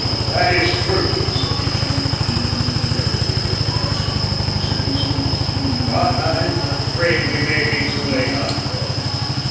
"That is true," said the American, with a very weary and absent look on his face. "But but I'm afraid we may be too late after all!